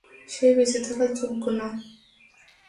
সে বেঁচে থাকার যোগ্য না।